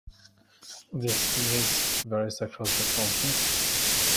The estimates varies across the country.